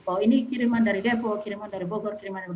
oh ini kiriman dari depo kiriman dari bogor kiriman dari bogor